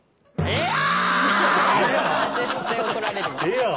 絶対怒られるわ。